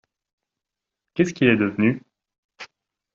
Qu’est-ce qu’il est devenu ?